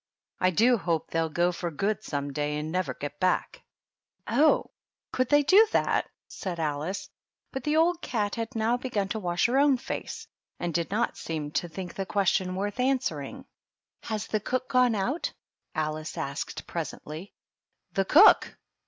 I do hope they'll go for good some day, and never get back !" "Oh, could they do that?" said Alice. But the old cat had now begun to wash her own face, and did not seem to think the question worth answering; 40 THE DUCHESS AND HER HOUSE. "Has the cook gone out?" Alice asked, pres ently. "The cook!